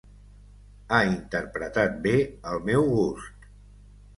Ha interpretat bé el meu gust.